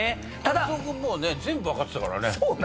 泰造君もうね全部分かってたからね。